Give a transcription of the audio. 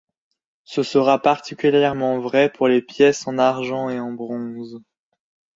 Ce sera particulièrement vrai pour les pièces en argent et en bronze.